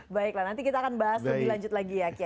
baiklah nanti kita akan bahas lebih lanjut lagi ya